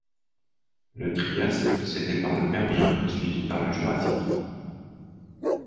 Le Trias est précédé par le Permien et suivi par le Jurassique.